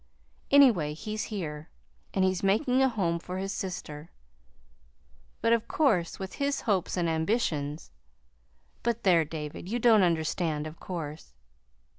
Anyway, he's here, and he's making a home for his sister; but, of course, with his hopes and ambitions But there, David, you don't understand, of course!"